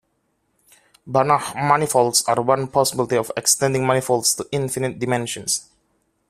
Banach manifolds are one possibility of extending manifolds to infinite dimensions.